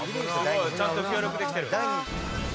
ちゃんと協力できてる。